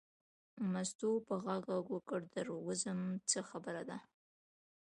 مستو په غږ غږ وکړ در وځم څه خبره ده.